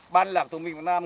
ban lạc thủ minh việt nam